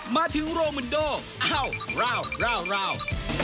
มาถึงโรมันโดอ้าวราว